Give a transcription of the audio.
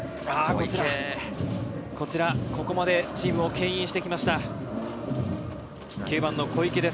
こちら、ここまでチームをけん引してきました、９番の小池です。